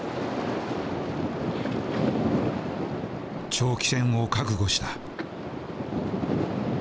長期戦を覚悟した。